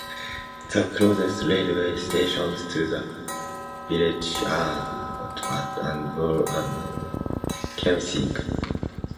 The closest railway stations to the village are at Bat and Ball and Kemsing.